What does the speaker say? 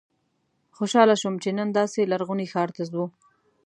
خوشاله شوم چې نن داسې لرغوني ښار ته ځو.